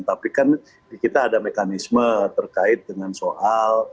tapi kan kita ada mekanisme terkait dengan soal